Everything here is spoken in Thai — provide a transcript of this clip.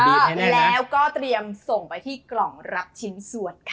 แล้วก็เตรียมทีนไปที่กล่องลับชิ้นสอดค่ะ